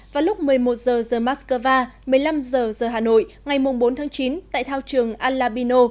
vào lúc một mươi một h giờ moscow một mươi năm h giờ hà nội ngày bốn chín tại thao trường al labino